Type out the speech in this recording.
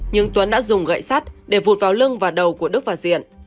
nhưng tuấn đã dùng gậy sắt để vụt vào lưng và đầu của đức và diện